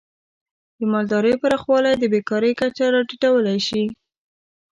د مالدارۍ پراخوالی د بیکاری کچه راټیټولی شي.